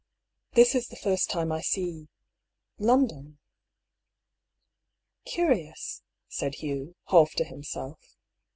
This is the first time I see — London." " Curious !" said Hugh, half to himself.